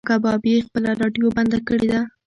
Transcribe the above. ایا کبابي خپله راډیو بنده کړې ده؟